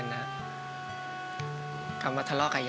อันดับนี้เป็นแบบนี้